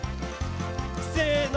せの！